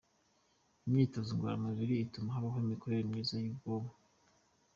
Imyitozo ngororamubiri ituma habaho imikorere myiza y’ubwonko